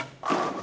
あっ！